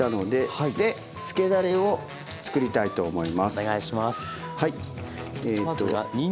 はい。